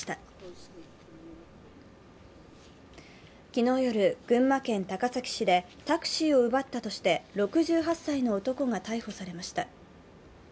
昨日夜、群馬県高崎市でタクシーを奪ったとして６８歳の男が逮捕されました。